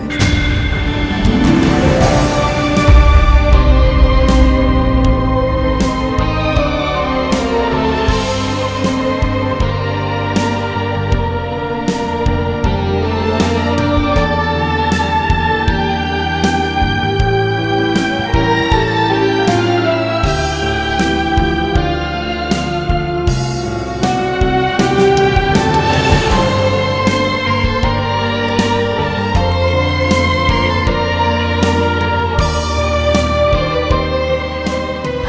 aku akan mencintai kamu